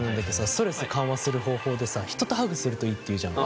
ストレス緩和する方法でさ人とハグするといいって言うじゃん。